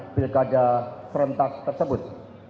lekadah serentak tersebut